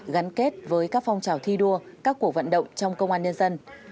gắn kết với các phong trào thi đua các cuộc vận động trong công an nhân dân